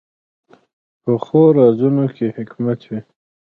پخو رازونو کې حکمت وي